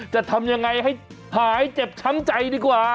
ให้เจ็บช้ำใจดีกว่า